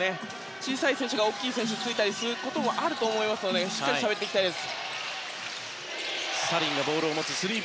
小さい選手が大きい選手についたりすることもあると思うのでしっかりつきたいです。